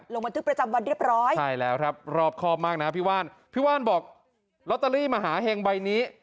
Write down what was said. หยุดความรอบคลอมมากนะพี่ที่ว่านบอกมาหาแห่งไบนี้